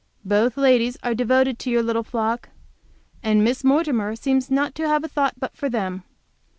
Both ladies are devoted to your little flock, and Miss Mortimer seems not to have a thought but for them.